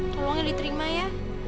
tolongnya diterima ya